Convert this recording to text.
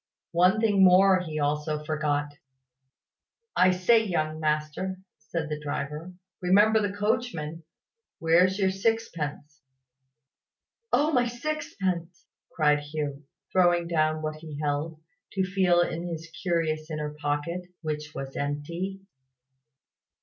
One thing more he also forgot. "I say, young master," said the driver, "remember the coachman. Where's your sixpence?" "Oh, my sixpence!" cried Hugh, throwing down what he held, to feel in his curious inner pocket, which was empty.